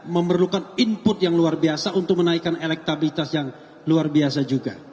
memerlukan input yang luar biasa untuk menaikkan elektabilitas yang luar biasa juga